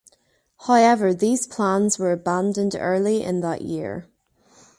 However, these plans were abandoned early in that year.